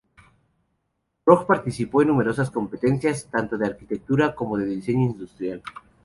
Borg participó en numerosas competencias, tanto de arquitectura como de diseño industrial.